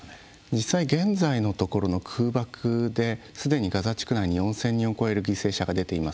実際現在のところの空爆ですでにガザ地区内に４，０００人を超える犠牲者が出ています。